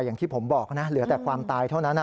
อย่างที่ผมบอกนะเหลือแต่ความตายเท่านั้น